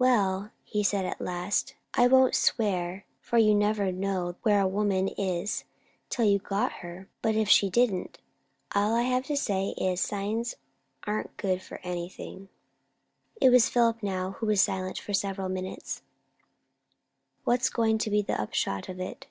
"Well," said he at last, "I won't swear; for you never know where a woman is till you've got her; but if she didn't, all I have to say is, signs aren't good for anything." It was Philip now who was silent, for several minutes. "What's going to be the upshot of it?"